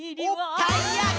たいやき？